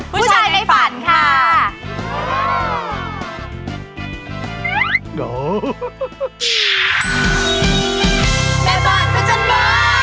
ผู้ชายในฝันค่ะ